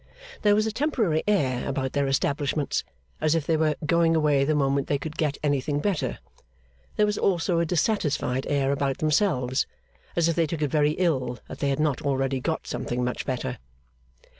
There was a temporary air about their establishments, as if they were going away the moment they could get anything better; there was also a dissatisfied air about themselves, as if they took it very ill that they had not already got something much better.